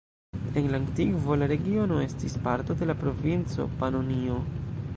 En la antikvo la regiono estis parto de la provinco Panonio.